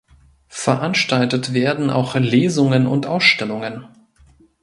Veranstaltet werden auch Lesungen und Ausstellungen.